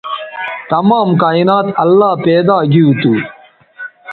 تمام کائنات اللہ پیدا گیو تھو